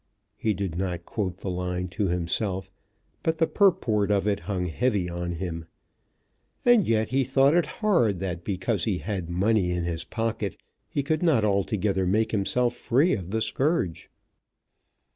He did not quote the line to himself, but the purport of it hung heavy on him. And yet he thought it hard that because he had money in his pocket he could not altogether make himself free of the scourge.